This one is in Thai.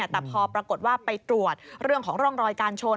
แต่พอปรากฏว่าไปตรวจเรื่องของร่องรอยการชน